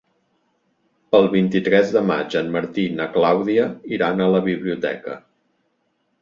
El vint-i-tres de maig en Martí i na Clàudia iran a la biblioteca.